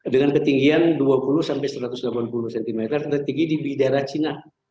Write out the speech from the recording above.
dengan ketinggian dua puluh sampai satu ratus delapan puluh cm tertinggi di daerah cina